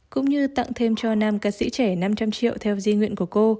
cũng như tặng thêm cho nam ca sĩ trẻ năm trăm linh triệu theo di nguyện của cô